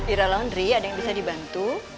era laundry ada yang bisa dibantu